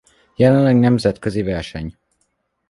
Jelenleg nemzetközi verseny.